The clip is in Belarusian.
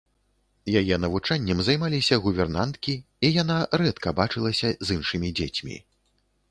Яе навучаннем займаліся гувернанткі, і яна рэдка бачылася з іншымі дзецьмі.